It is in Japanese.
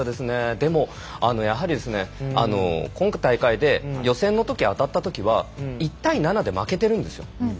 でも、やはり今大会で予選のとき当たったときは１対７で負けているんです。